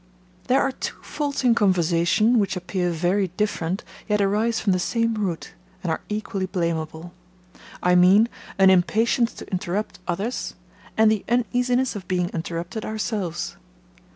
There are two faults in conversation, which appear very different, yet arise from the same root, and are equally blamable; I mean, an impatience to interrupt others, and the uneasiness of being interrupted ourselves.